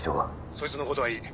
そいつのことはいい。